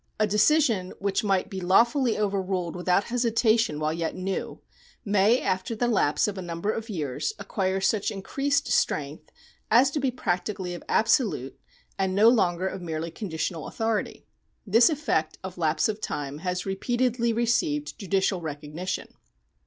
A decision which might be lawfully overruled without hesita tion while yet new, may after the lapse of a number of years acquire such increased strength as to be practically of absolute and no longer of merely conditional authority. This effect of lapse of time has repeatedly received judicial recognition.